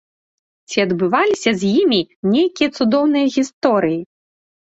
Ці адбываліся з імі нейкія цудоўныя гісторыі?